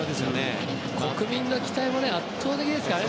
国民の期待も圧倒的ですからね